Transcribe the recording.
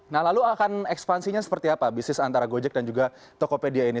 nah lalu akan ekspansinya seperti apa bisnis antara gojek dan juga tokopedia ini